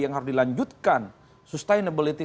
yang harus dilanjutkan sustainability